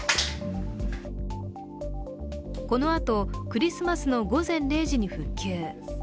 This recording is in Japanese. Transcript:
このあと、クリスマスの午前０時に復旧。